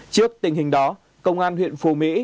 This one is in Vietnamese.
trước tình hình đó công an huyện phu mỹ